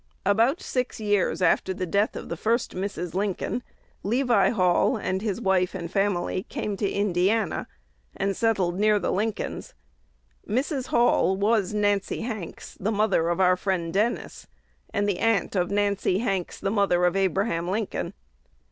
About six years after the death of the first Mrs. Lincoln, Levi Hall and his wife and family came to Indiana, and settled near the Lincolns. Mrs. Hall was Nancy Hanks, the mother of our friend Dennis, and the aunt of Nancy Hanks, the mother of Abraham Lincoln.